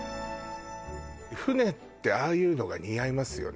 船ってああいうのが似合いますよね